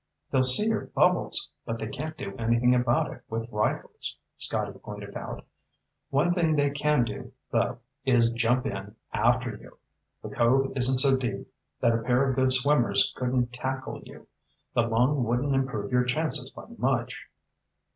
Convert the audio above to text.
"They'll see your bubbles, but they can't do anything about it with rifles," Scotty pointed out. "One thing they can do, though, is jump in after you. The cove isn't so deep that a pair of good swimmers couldn't tackle you. The lung wouldn't improve your chances by much."